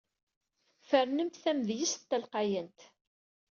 Fernemt tamedyezt talqayant.